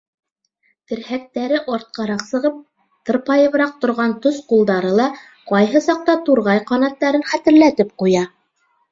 Терһәктәре артҡараҡ сығып, тырпайыбыраҡ торған тос ҡулдары ла ҡайһы саҡта турғай ҡанаттарын хәтерләтеп ҡуя.